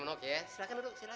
bang ojo buburnya dua nya